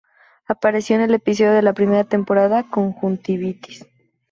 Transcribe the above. Apareció en el episodio de la primera temporada, "Conjuntivitis".